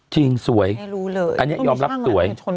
จริงสวยอันเนี่ยยอบรับสวย